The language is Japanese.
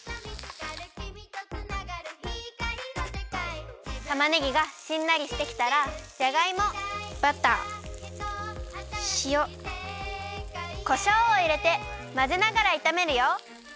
「キミとつながる光の世界」たまねぎがしんなりしてきたらじゃがいもバターしおこしょうをいれてまぜながらいためるよ。